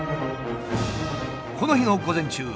この日の午前中